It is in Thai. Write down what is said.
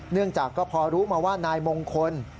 เนื่องจากก็พอรู้มาว่านายมงคล